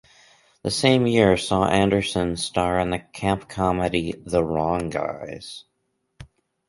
The same year saw Anderson star in the camp comedy "The Wrong Guys".